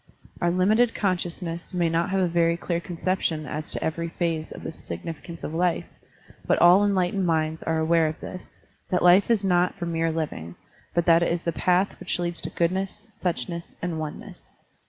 Our limited consciousness may not have a very clear conception as to every phase of the significance of life, but all enlight ened minds are aware of this, that life is not for mere living, but that it is the path which leads to goodness, suchness, and oneness.